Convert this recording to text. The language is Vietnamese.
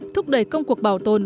thúc đẩy công cuộc bảo tồn